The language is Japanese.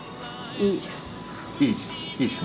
いいっす。